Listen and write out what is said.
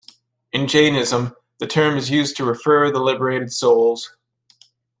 In Jainism, the term is used to refer the liberated souls.